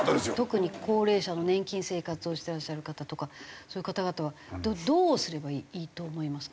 特に高齢者の年金生活をしてらっしゃる方とかそういう方々はどうすればいいと思いますか？